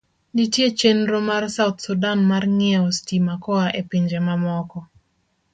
Nitie chenro mar South Sudan mar ng'iewo stima koa e pinje mamoko.